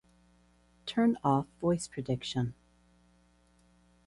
Turn off voice prediction.